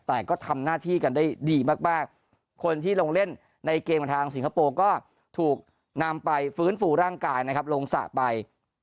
แต่ก็ทำหน้าที่กันได้ดีมากคนที่ลงเล่นในเกมกับทางสิงคโปร์ก็ถูกนำไปฟื้นฟูร่างกายนะครับลงสระไป